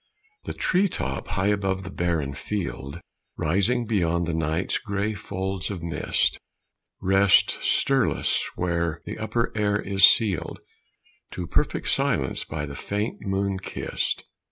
The tree top, high above the barren field, Rising beyond the night's gray folds of mist, Rests stirless where the upper air is sealed To perfect silence, by the faint moon kissed.